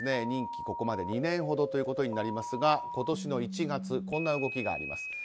任期ここまで２年ほどということになりますが今年の１月こんな動きがあります。